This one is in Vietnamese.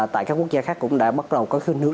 tại các quốc gia khác cũng đã bắt đầu có khuyên hướng